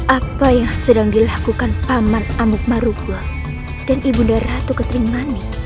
apa yang sedang dilakukan paman amuk marugun dan ibu daratu kentering manik